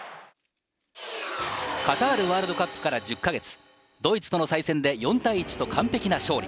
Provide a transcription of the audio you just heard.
カタールワールドカップから１０か月、ドイツとの再戦で４対１と完璧な勝利。